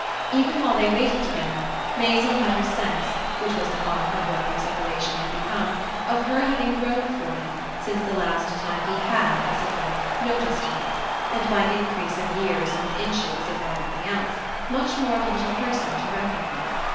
Even while they waited together Maisie had her sense, which was the mark of what their separation had become, of her having grown for him, since the last time he had, as it were, noticed her, and by increase of years and of inches if by nothing else, much more of a little person to reckon with.